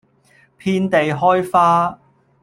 遍地開花